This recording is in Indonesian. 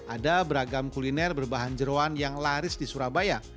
ada beragam kuliner berbahan jeruan yang laris di surabaya